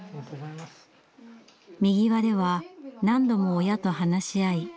みぎわでは何度も親と話し合い